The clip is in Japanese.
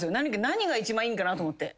何が一番いいんかなと思って。